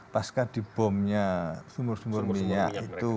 pasca dibomnya sumur sumur minyak itu